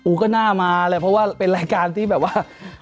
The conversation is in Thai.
ก็น่ามาเลยเพราะว่าเป็นรายการที่แบบว่า